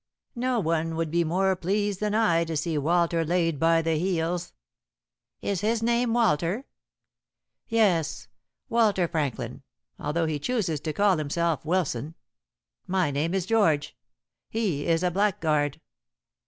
No one would be more pleased than I to see Walter laid by the heels." "Is his name Walter?" "Yes, Walter Franklin, although he chooses to call himself Wilson. My name is George. He is a blackguard."